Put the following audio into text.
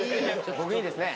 僕にですね。